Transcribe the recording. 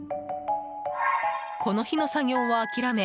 この日の作業は諦め